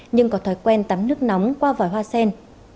nhưng có thói quen tắm nước nóng qua vòi hoa sen